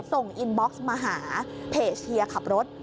ส่งอินบ็อกซ์มาหาเพจเชียร์ขับรถ